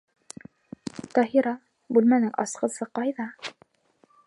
Таһира, бүлмәнең асҡысы ҡайҙа?